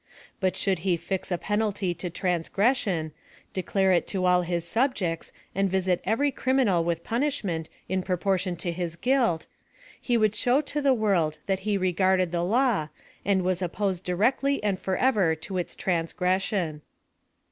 But should he fix a penalty to transgression — declare it to all his subjects, and visit every criminal with punishment in proportion to his guilt, he would show to the world that he regarded the law, and was opposed directly and forever to its transgression.